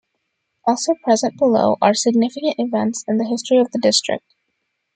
Also present below are significant events in the history of the district.